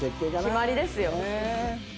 決まりですよ。